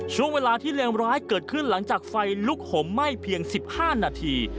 ช่วงเวลาที่เลวร้ายเกิดขึ้นหลังจากไฟลุกห่มไหม้เพียง๑๕นาที